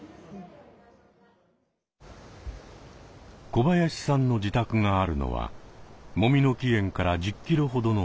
小林さんの自宅があるのはもみの木苑から１０キロほどの場所。